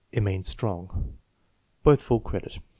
"It means strong." (Both full credit.)